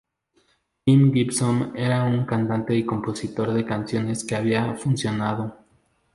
Jill Gibson era ya un cantante y compositor de canciones que había funcionado.